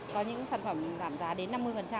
có những sản phẩm giảm giá đến năm mươi